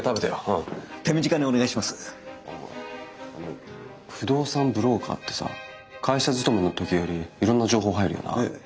あの不動産ブローカーってさ会社勤めの時よりいろんな情報入るよな？